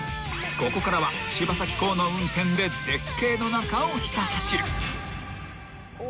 ［ここからは柴咲コウの運転で絶景の中をひた走る］お。